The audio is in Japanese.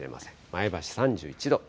前橋３１度。